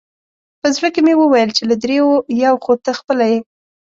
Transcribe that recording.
په زړه کې مې وویل چې له درېیو یو خو ته خپله یې.